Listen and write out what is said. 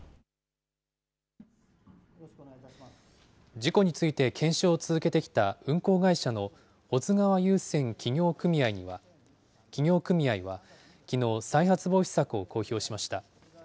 事故について検証を続けてきた運航会社の保津川遊船企業組合は、きのう再発防止策を公表しました。